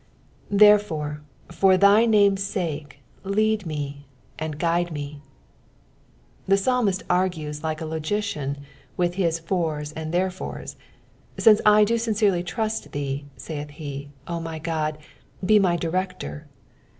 " Therffora for thy vama'i »ai« lead me, and guide ma," The psalmist argues like a logician with his fors and therefores. Since I do sincerely trust thee, saith he, O my Qod, be my director.